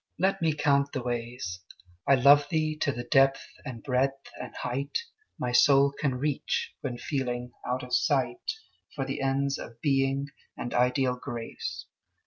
Let me count the ways. I love thee to the depth and breadth and height My soul can reach, when feeling out of sight For the ends of Being and ideal Grace.